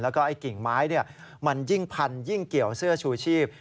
แล้วก็ไอ้กิ่งไม้มันยิ่งพันยิ่งเกี่ยวเสื้อชูชีพ